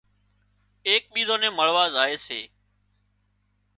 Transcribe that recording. ايڪ ٻيزان نين مۯوا زائي سي